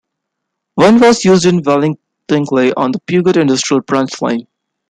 One was used in Valentigney on the Peugeot industrial branch line.